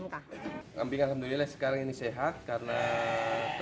kambing kambing lainnya juga diperiksa sama yang jaga kandang ini sama kambing kambing lainnya